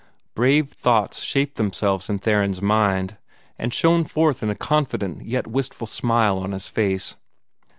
Brave thoughts shaped themselves in Theron's mind, and shone forth in a confident yet wistful smile on his face.